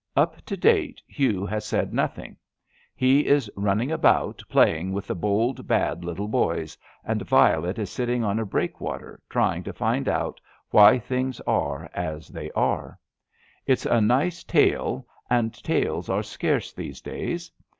Up to date Hugh has said nothing. He is run 220 ABAFT THE FUNNEL ning about playing with the bold, bad little boys, and Violet is sitting on a breakwater, trying to find out why things are as they are. It's a nice tale, and tales are scarce these days.